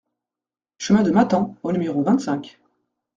Chemin de Matens au numéro vingt-cinq